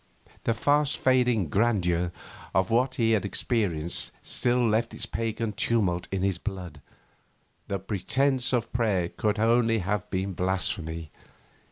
The fast fading grandeur of what he had experienced still left its pagan tumult in his blood. The pretence of prayer could only have been blasphemy.